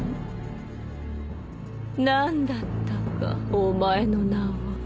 何だったかお前の名は。